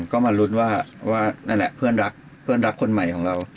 ก็มารู้สึกว่าเพื่อนรักคนใหม่ของเรา